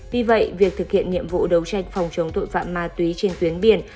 vì vậy việc thực hiện nhiệm vụ đấu tranh phòng chống tội phạm ma túy trên tuyến biển